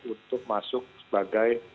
untuk masuk sebagai